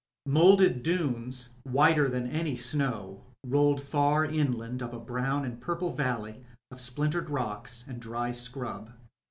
Moulded dunes, whiter than any snow, rolled far inland up a brown and purple valley of splintered rocks and dry scrub.